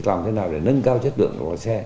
làm thế nào để nâng cao chất lượng của xe